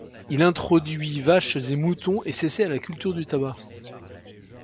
Il introduit vaches et moutons et s'essaie à la culture du tabac.